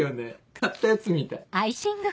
買ったやつみたい。